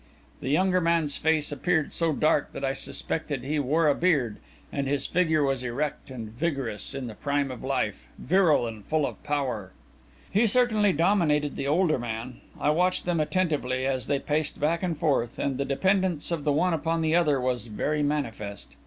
The younger man's face appeared so dark that I suspected he wore a beard, and his figure was erect and vigorous, in the prime of life, virile and full of power. He certainly dominated the older man. I watched them attentively, as they paced back and forth, and the dependence of the one upon the other was very manifest.